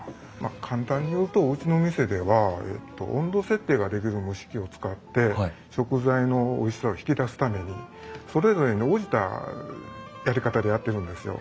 簡単に言うとうちの店では温度設定ができる蒸し器を使って食材のおいしさを引き出すためにそれぞれに応じたやり方でやってるんですよ。